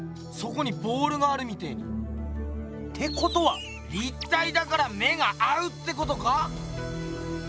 そこにボールがあるみてぇに。ってことは立体だから目が合うってことか？